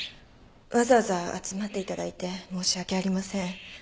わざわざ集まっていただいて申し訳ありません。